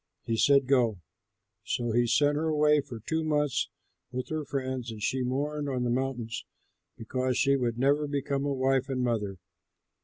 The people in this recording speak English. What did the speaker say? He said, "Go." So he sent her away for two months with her friends, and she mourned on the mountains because she would never become a wife and mother.